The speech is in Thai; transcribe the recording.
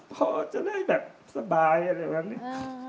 พอจะได้แบบสบายอะไรแบบนี้